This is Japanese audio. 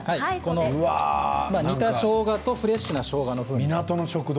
煮たしょうがとフレッシュなしょうがの風味。